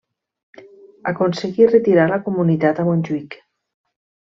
Aconseguí retirar la comunitat a Montjuïc.